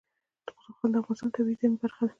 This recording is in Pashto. زغال د افغانستان د طبیعي زیرمو برخه ده.